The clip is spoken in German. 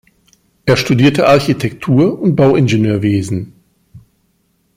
Er studierte Architektur und Bauingenieurwesen.